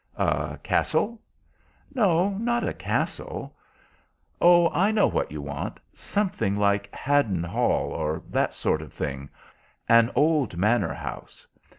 "A castle?" "No, not a castle." "Oh, I know what you want. Something like Haddon Hall, or that sort of thing. An old manor house.